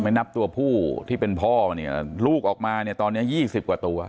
นับตัวผู้ที่เป็นพ่อมาเนี่ยลูกออกมาเนี่ยตอนเนี้ยยี่สิบกว่าตัว